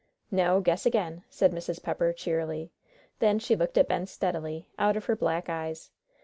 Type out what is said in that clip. "No, guess again," said Mrs. Pepper, cheerily. Then she looked at Ben steadily out of her black eyes.